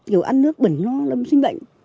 kiểu ăn nước bẩn nó nó sinh bệnh